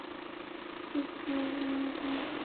唯一一位死者系因被掉落的石块砸中致死。